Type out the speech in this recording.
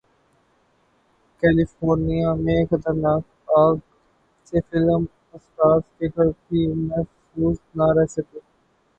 California میں خطرناک اگ سے فلم اسٹارز کے گھر بھی محفوظ نہ رہ سکے